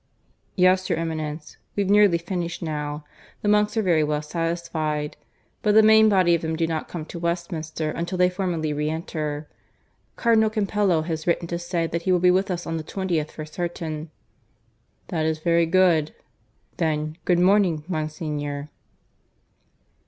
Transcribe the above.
"Yes, your Eminence. We've nearly finished now. The monks are very well satisfied. But the main body of them do not come to Westminster until they formally re enter. Cardinal Campello has written to say that he will be with us on the 20th for certain." "That is very good. ... Then good morning, Monsignor."